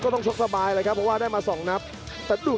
ที่เยี่ยมได้วิ่งมากขึ้น